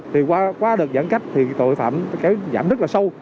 thì qua đợt giãn cách thì tội phạm giảm rất là sâu